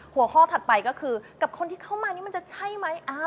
หัวข้อถัดไปก็คือกับคนที่เข้ามานี่มันจะใช่ไหม